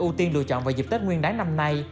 ưu tiên lựa chọn vào dịp tết nguyên đáng năm nay